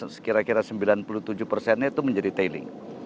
sekira kira sembilan puluh tujuh persennya itu menjadi tailing